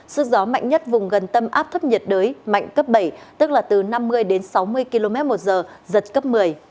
sức gió mạnh nhất vùng gần tâm áp thấp nhiệt đới mạnh cấp bảy tức là từ năm mươi đến sáu mươi km một giờ giật cấp một mươi